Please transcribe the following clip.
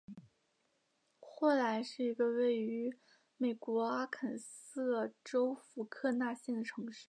霍兰是一个位于美国阿肯色州福克纳县的城市。